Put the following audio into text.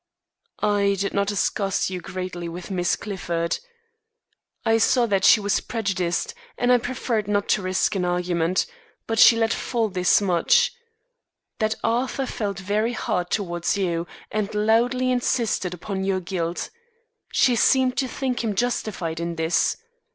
"I did not discuss you greatly with Miss Clifford. I saw that she was prejudiced, and I preferred not to risk an argument; but she let fall this much: that Arthur felt very hard towards you and loudly insisted upon your guilt. She seemed to think him justified in this.